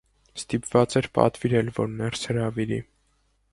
Ստիպված էի պատվիրել, որ ներս հրավիրի: